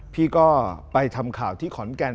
พี่ก็ไปทำข่าวที่ขอนแก่น